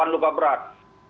delapan luka berat